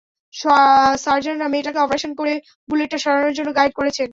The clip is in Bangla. সার্জনরা মেয়েটাকে অপারেশন করে বুলেটটা সরানোর জন্য গাইড করছেন।